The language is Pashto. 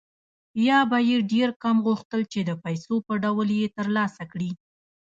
یا به یې ډېر کم غوښتل چې د پیسو په ډول یې ترلاسه کړي